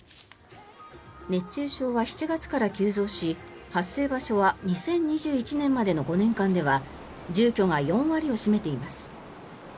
熱中症は７月から急増し発生場所は２０２１年までの５年間では住居が４割を占めています。